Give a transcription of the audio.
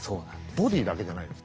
ボディーだけじゃないんです。